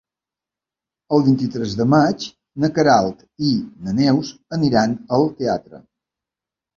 El vint-i-tres de maig na Queralt i na Neus aniran al teatre.